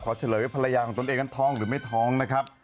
เฉลยภรรยาของตนเองนั้นท้องหรือไม่ท้องนะครับ